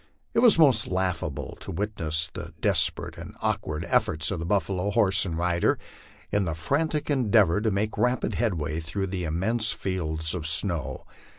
It was most laugh able to witness the desperate and awkward efforts of buffalo, horse, and rider, in the frantic endeavor to make rapid headway through the immense fields of snow.